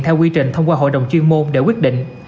theo quy trình thông qua hội đồng chuyên môn để quyết định